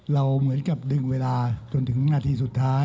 เราเหมือนกับดึงเวลาจนถึงนาทีสุดท้าย